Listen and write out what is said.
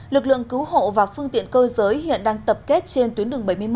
lực lượng cứu hộ và phương tiện cơ giới hiện đang tập kết trên tuyến đường bảy mươi một